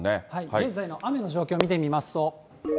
現在の雨の状況を見てみますと。